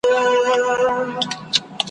د وصال په شپه کي راغلم له هجران سره همزولی `